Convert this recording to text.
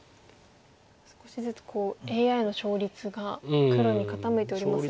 少しずつＡＩの勝率が黒に傾いておりますが。